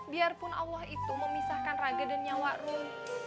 biarpun allah itu memisahkan raga dan nyawa rum